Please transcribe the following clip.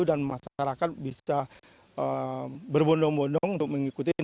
dan masyarakat bisa berbondong bondong untuk mengikuti